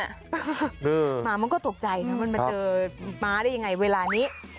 หมามันก็ตกใจนะมันมาเจอม้าได้ยังไงเวลานี้